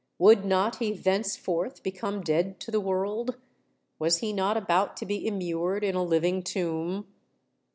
would not he thenceforth become dead to the world? was he not about to be immured in a living tomb?